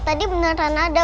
tadi beneran ada